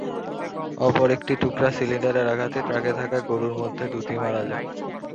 অপর একটি টুকরা সিলিন্ডারের আঘাতে ট্রাকে থাকা গরুর মধ্যে দুটি মারা যায়।